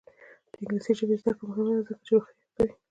د انګلیسي ژبې زده کړه مهمه ده ځکه چې روغتیا ښه کوي.